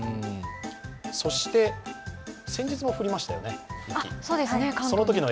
そして先日も降りましたよね、雪。